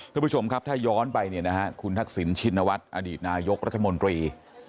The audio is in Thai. คุณผู้ชมครับถ้าย้อนไปเนี่ยนะฮะคุณทักษิณชินวัฒน์อดีตนายกรัฐมนตรี